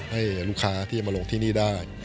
ให้ลูกค้าที่จะมาลงที่นี่ได้